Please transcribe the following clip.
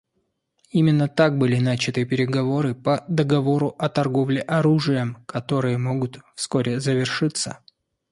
Именно так были начаты переговоры по договору о торговле оружием, которые могут вскоре завершиться.